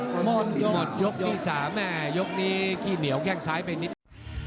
หมดหมดยกที่๓แม่ยกนี้ขี้เหนียวแข้งซ้ายไปนิด